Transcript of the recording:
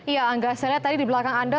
ya angga saya lihat tadi di belakang anda